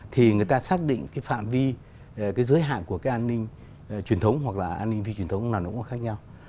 thì người ta xác định cái phạm vi cái giới hạn của cái an ninh truyền thống hoặc là an ninh phi truyền thống là nó cũng khác nhau